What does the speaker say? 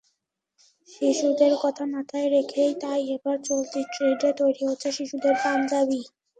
শিশুদের কথা মাথায় রেখেই তাই এবার চলতি ট্রেন্ডে তৈরি হচ্ছে শিশুদের পাঞ্জাবি।